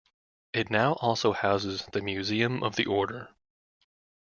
It now also houses the Museum of the Order.